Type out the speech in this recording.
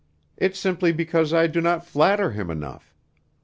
It's simply because I do not flatter him enough.